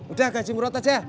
udah gaji murot aja